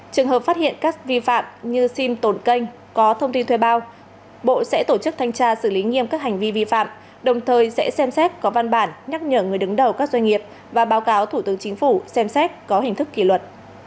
trường hợp phát hiện các vi phạm như sim tổn kênh có thông tin thuê bao bộ sẽ tổ chức thanh tra xử lý nghiêm các hành vi vi phạm đồng thời sẽ xem xét có văn bản nhắc nhở người đứng đầu các doanh nghiệp và báo cáo thủ tướng chính phủ xem xét có hình thức kỷ luật